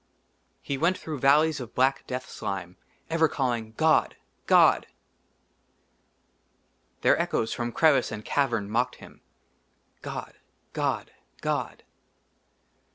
he went through valleys of black death slime, ever calling, "god! god!" their echoes from crevice and cavern mocked him : "god! god! god!"